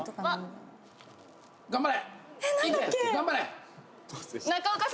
頑張れ！